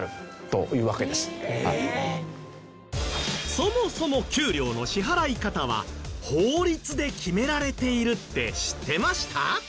そもそも給料の支払い方は法律で決められているって知ってました？